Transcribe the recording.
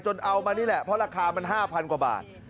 เอามานี่แหละเพราะราคามัน๕๐๐กว่าบาท